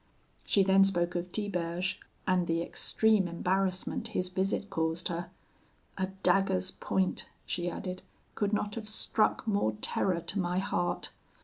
She then spoke of Tiberge, and the extreme embarrassment his visit caused her. 'A dagger's point,' she added, 'could not have struck more terror to my heart.